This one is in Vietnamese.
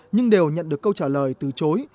nhưng đều nhận được câu trả lời từ chối